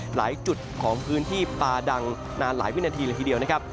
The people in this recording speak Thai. หลายจุดของพื้นที่ปาดังนานหลายวินาทีเลยทีเดียวนะครับ